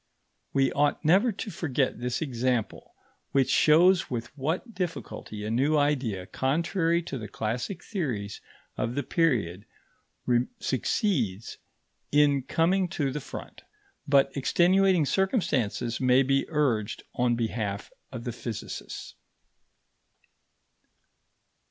We ought never to forget this example, which shows with what difficulty a new idea contrary to the classic theories of the period succeeds in coming to the front; but extenuating circumstances may be urged on behalf of the physicists.